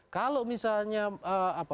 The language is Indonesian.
kalau misalnya menarik kelompok kelompok dari tkn